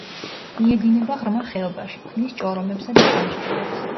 მიედინება ღრმა ხეობაში, ქმნის ჭორომებსა და ჩანჩქერებს.